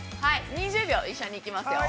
２０秒、一緒に行きますよ。